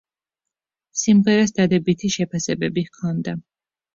სიმღერას დადებითი შეფასებები ჰქონდა.